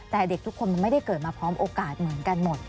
แต่เด็กทุกคนมันไม่ได้เกิดมาพร้อมโอกาสเหมือนกันหมด